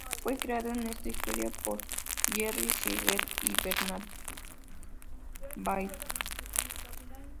Fue creado en esta historia por Jerry Siegel y Bernard Baily.